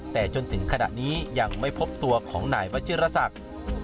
แต่จนถึงขณะนี้ยังไม่พบตัวของนายวัชิรษัก